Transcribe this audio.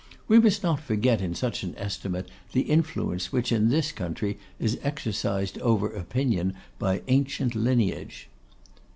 We must not forget in such an estimate the influence which, in this country, is exercised over opinion by ancient lineage.